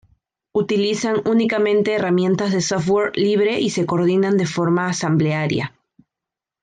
Utilizan únicamente herramientas de software libre y se coordinan de forma asamblearia.